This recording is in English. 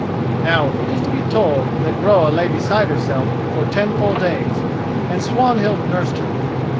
Now it is to be told that Groa lay beside herself for ten full days, and Swanhild nursed her.